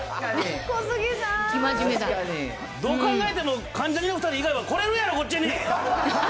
どう考えても、関ジャニの２人以外は来れるやろ、こっちに。